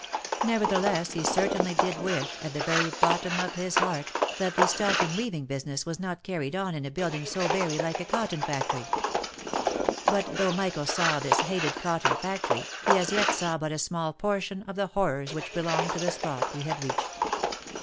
Nevertheless, he certainly did wish, at the very bottom of his heart, that the stocking weaving business was not carried on in a building so very like a cotton factory ! But though Michael saw this hated cotton factory, he as yet saw but a small portion of the horrors which belonged to the spot he had reached.